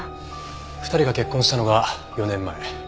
２人が結婚したのが４年前。